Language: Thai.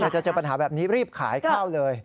จะเจอปัญหาแบบนี้รีบขายข้าวเลย